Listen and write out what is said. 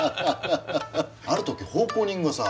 ある時奉公人がさ。